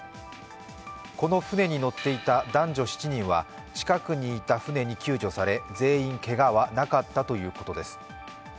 この船に乗っていた男女７人は近くにいた船に救助され全員、けがはなかったということです。